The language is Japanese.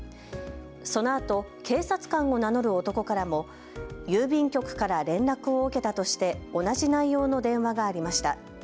そのあと警察官を名乗る男からも郵便局から連絡を受けたとして同じ内容の電話がありました。